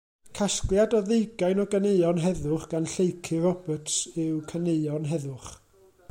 Casgliad o ddeugain o ganeuon heddwch gan Lleucu Roberts yw Caneuon Heddwch.